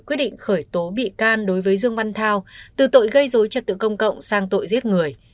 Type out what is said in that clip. quyết định khởi tố bị can đối với dương văn thao từ tội gây dối trật tự công cộng sang tội giết người